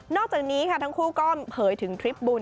อกจากนี้ค่ะทั้งคู่ก็เผยถึงทริปบุญ